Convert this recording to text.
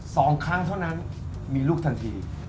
สองครั้งเท่านั้นมีลูกทันที